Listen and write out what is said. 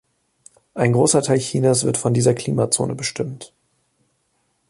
Ein großer Teil Chinas wird von dieser Klimazone bestimmt.